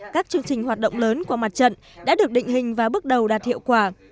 các chương trình hoạt động lớn của mặt trận đã được định hình và bước đầu đạt hiệu quả